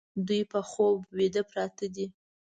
دوی په خوب ویده پراته دي